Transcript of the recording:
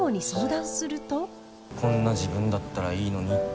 「こんな自分だったらいいのに」って。